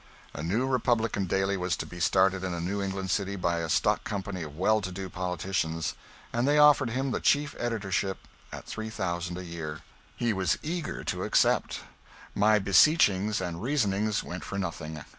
A new Republican daily was to be started in a New England city by a stock company of well to do politicians, and they offered him the chief editorship at three thousand a year. He was eager to accept. My beseechings and reasonings went for nothing.